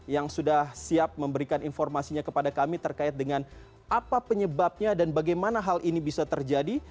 yang sudah siap memberikan informasinya kepada kami terkait dengan apa penyebabnya dan bagaimana hal ini bisa terjadi